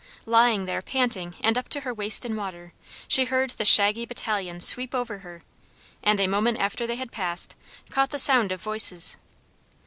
Lying there panting and up to her waist in water, she heard the shaggy battalions sweep over her, and, a moment after they had passed, caught the sound of voices.